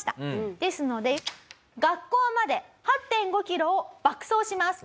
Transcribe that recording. ですので学校まで８．５キロを爆走します。